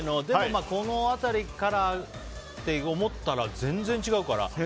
でもこの辺りからって思ったら、全然違うから。